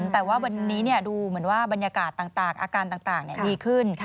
แต่ว่าวันนี้ดูเหมือนว่าบรรยากาศต่างอาการต่างดีขึ้น